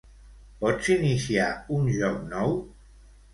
Pots iniciar un joc nou?